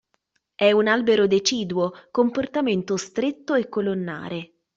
È un albero deciduo con portamento stretto e colonnare.